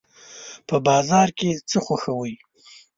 په بازار کې څه خوښوئ؟